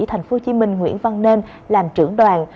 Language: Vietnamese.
tp hcm nguyễn văn nêm làm trưởng đoàn